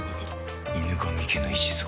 「『犬神家の一族』」